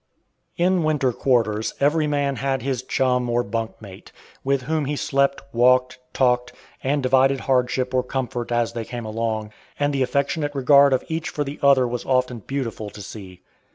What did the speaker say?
In winter quarters every man had his "chum" or bunk mate, with whom he slept, walked, talked, and divided hardship or comfort as they came along; and the affectionate regard of each for the other was often beautiful to see.